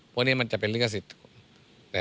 พวกนี้มันจะเป็นลิขสิทธิ์